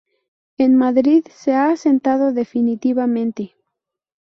En Madrid se ha asentado definitivamente.